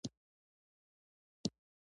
مه راځه زموږ کلي ته.